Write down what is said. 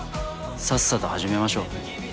さっさと始めましょう。